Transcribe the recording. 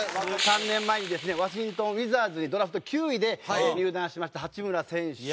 ３年前にですねワシントン・ウィザーズにドラフト９位で入団しました八村選手。